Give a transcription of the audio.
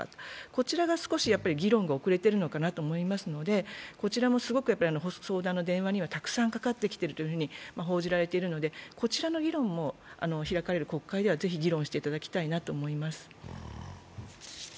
こちらの議論が少し遅れているかなと思いますので、こちらもすごく相談の電話にはたくさんかかってきていると報じられているので、こちらも、開かれる国会ではぜひ議論していただきたいと思います。